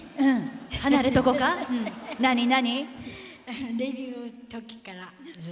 離れとこうか、何々？